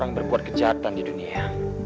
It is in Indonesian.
orang berbuat kejahatan di dunia